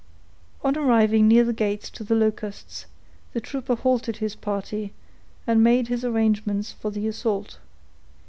On arriving near the gates of the Locusts, the trooper halted his party, and made his arrangements for the assault.